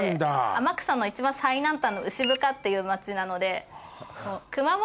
天草の一番最南端の牛深っていう町なので。